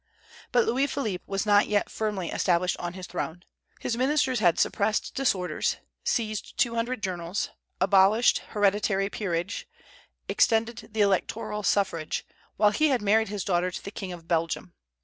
But Louis Philippe was not yet firmly established on his throne. His ministers had suppressed disorders, seized two hundred journals, abolished hereditary peerage, extended the electoral suffrage, while he had married his daughter to the King of Belgium.